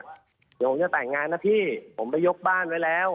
เดี๋ยวผมจะแต่งงานนะพี่ผมไปยกบ้านไว้แล้ว